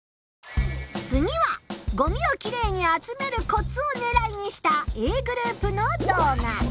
次は「ごみをキレイに集めるコツ」をねらいにしたＡグループの動画。